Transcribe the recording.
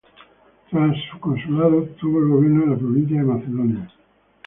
Tras su consulado, obtuvo el gobierno de la provincia de Macedonia.